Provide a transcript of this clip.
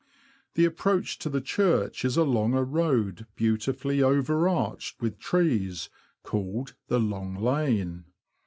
The approach to the church is along a road beautifully over arched with trees, called the Long Lane.